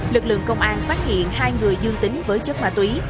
lực lượng công an phát hiện hai người dương tính với chất ma túy